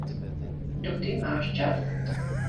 Dokdy máš čas?